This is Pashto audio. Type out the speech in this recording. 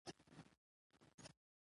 په قدم قدم روان پر لور د دام سو